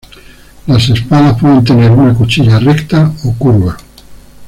Las espadas pueden tener una cuchilla recta o curva.